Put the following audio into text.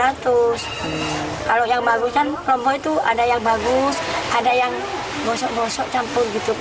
kalau yang bagus kan kelompok itu ada yang bagus ada yang gosok gosok campur gitu